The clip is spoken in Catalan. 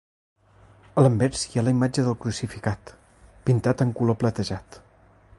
A l'anvers hi ha la imatge del crucificat, pintat de color platejat.